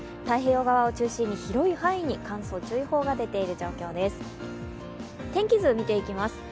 太平洋側を中心に広い範囲に乾燥注意報が出ている状況です。